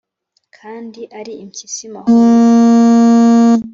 Kandi Ari impyisi mahuma